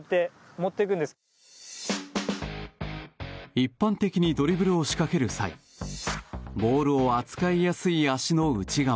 一般的にドリブルを仕掛ける際ボールを扱いやすい足の内側